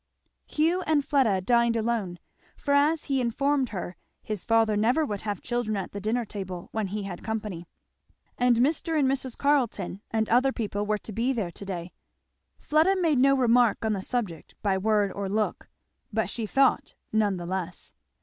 Hugh and Fleda dined alone. For as he informed her his father never would have children at the dinner table when he had company; and Mr. and Mrs. Carleton and other people were to be there to day, Fleda made no remark on the subject, by word or look, but she thought none the less.